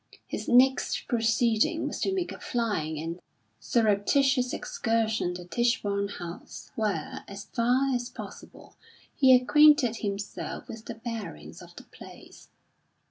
His next proceeding was to make a flying and surreptitious excursion to Tichborne House, where, as far as possible, he acquainted himself with the bearings of the place.